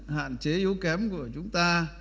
hạn chế yếu kém của chúng ta